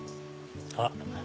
あっ